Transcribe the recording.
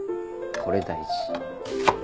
これ大事。